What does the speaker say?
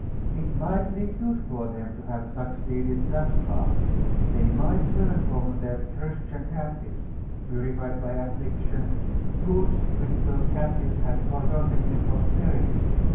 It might be good for them to have succeeded thus far; they might learn from their Christian captives, purified by affliction, truths which those captives had forgotten in prosperity.